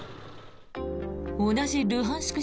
同じルハンシク